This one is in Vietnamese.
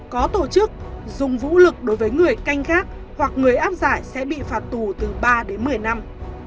có tổ chức dùng vũ lực đối với người canh khác hoặc người áp giải sẽ bị phạt tù từ ba đến một mươi năm